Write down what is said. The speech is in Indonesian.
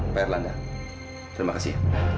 pak erlanda terima kasih ya